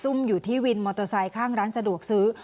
อยู่ที่วินมอเตอร์ไซค์ข้างร้านสะดวกซื้อ